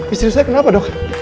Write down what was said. istri saya kenapa dok